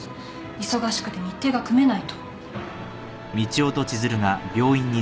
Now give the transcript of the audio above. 忙しくて日程が組めないと。